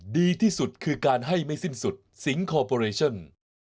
ดีที่สุดคือการให้ไม่สิ้นสุดสิงคอร์ปอเรชั่น